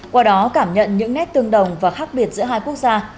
qua đó cảm nhận những nét tương đồng và khác biệt giữa hai quốc gia